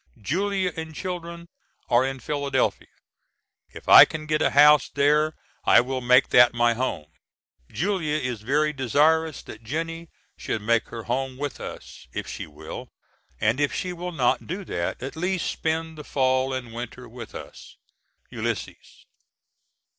Julia and children are in Philadelphia. If I can get a house there, I will make that my home. Julia is very desirous that Jennie should make her home with us if she will, and if she will not do that, at least spend the fall and winter with us. ULYSSES.